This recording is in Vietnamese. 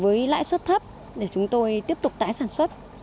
và với lãi suất thấp để chúng tôi tiếp tục tải sản xuất